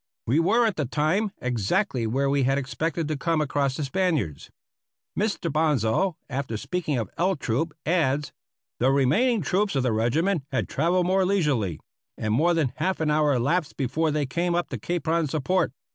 We were at the time exactly where we had expected to come across the Spaniards. Mr. Bonsal, after speaking of L Troop, adds: "The remaining troops of the regiment had travelled more leisurely, and more than half an hour elapsed before they came up to Capron's support."